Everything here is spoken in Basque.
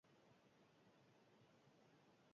Horiek izan ziren egin zituen lehen margolan abstraktuak.